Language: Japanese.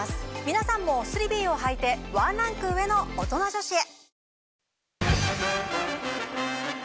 皆さんもスリビーをはいてワンランク上のオトナ女子へ！